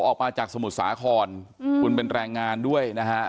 ออกมาจากสมุทรสาครคุณเป็นแรงงานด้วยนะฮะ